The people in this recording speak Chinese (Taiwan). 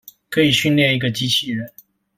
可以訓練一個機器人